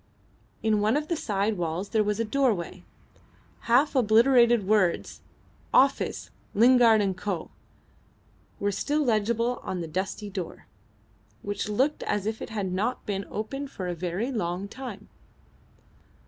In one of the side walls there was a doorway. Half obliterated words "Office: Lingard and Co." were still legible on the dusty door, which looked as if it had not been opened for a very long time.